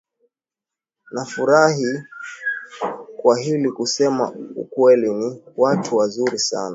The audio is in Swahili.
nafurahi kwa hili kusema ukweli ni watu wazuri sana